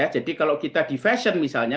kalau kita di fashion misalnya